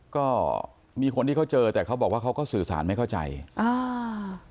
ก็มีคนที่เขาเจอแต่เขาบอกว่าเขาก็สื่อสารไม่เข้าใจอ่า